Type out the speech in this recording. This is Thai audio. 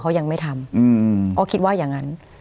เขายังไม่ทำก็คิดว่าอย่างนั้น